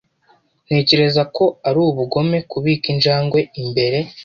Ntekereza ko ari ubugome kubika injangwe imbere.